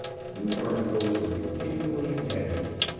New articles were continually added.